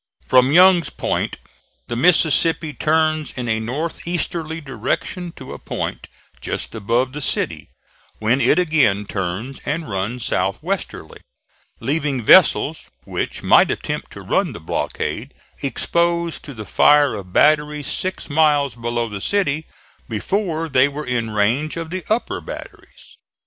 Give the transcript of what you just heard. From Young's Point the Mississippi turns in a north easterly direction to a point just above the city, when it again turns and runs south westerly, leaving vessels, which might attempt to run the blockade, exposed to the fire of batteries six miles below the city before they were in range of the upper batteries.